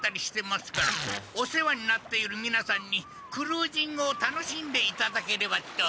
お世話になっているみなさんにクルージングを楽しんでいただければと。